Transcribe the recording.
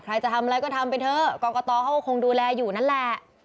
ใครจะทำอะไรก็ทำไปเถอะกรกตเขาก็คงดูแลอยู่นั่นแหละ